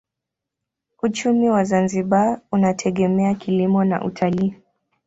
Uchumi wa Zanzibar unategemea kilimo na utalii.